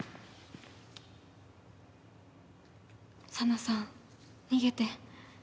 紗奈さん逃げて。